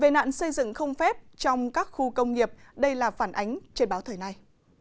về nạn xây dựng không phép trong các khu công nghiệp đây là phản ánh trên báo thời nay